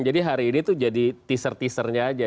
jadi hari ini itu jadi teaser teasernya aja